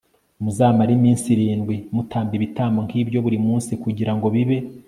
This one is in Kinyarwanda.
Muzamare iminsi irindwi mutamba ibitambo nk ibyo buri munsi kugira ngo bibe